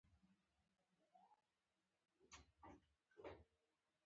آیا له یوه سر تر بل سر ډیر لرې نه دی؟